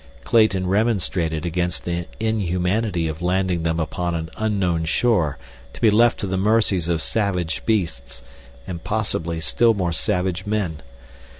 Clayton remonstrated against the inhumanity of landing them upon an unknown shore to be left to the mercies of savage beasts, and, possibly, still more savage men.